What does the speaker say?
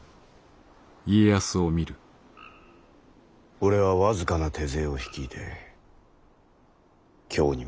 俺は僅かな手勢を率いて京に向かう。